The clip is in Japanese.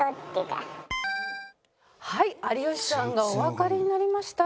はい有吉さんがおわかりになりました。